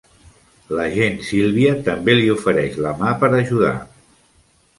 L'agent Sylvia també li ofereix la mà per ajudar.